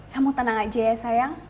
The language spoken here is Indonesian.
kamu tenang aja ya sayang